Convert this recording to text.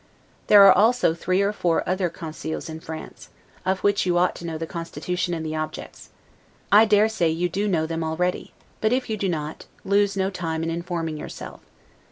There are also three or four other Conseils in France, of which you ought to know the constitution and the objects; I dare say you do know them already; but if you do not, lose no time in informing yourself.